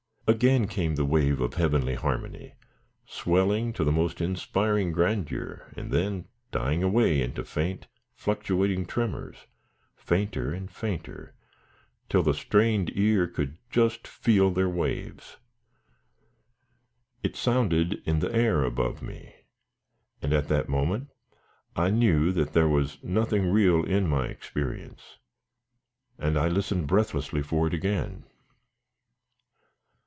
Again came the wave of heavenly harmony, swelling to the most inspiring grandeur, and then dying away into faint, fluctuating tremors, fainter and fainter, till the strained ear could just feel their waves. It sounded in the air above me, and at that moment I knew that there was nothing real in my experience, and I listened breathlessly for it again.